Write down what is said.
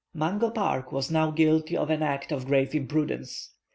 Mungo Park was now guilty of an act of grave imprudence.